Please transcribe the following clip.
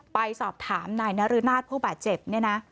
ไปสอบถามนายนรนาศผู้บาดเจ็บเนี่ยนะ